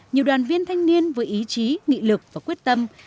nhiều đoàn viên thanh niên với ý chí nghị lực và quyết tâm